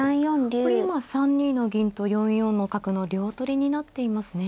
これ今３二の銀と４四の角の両取りになっていますね。